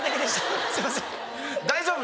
大丈夫？